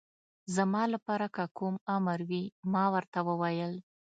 زما لپاره که کوم امر وي، ما ورته وویل.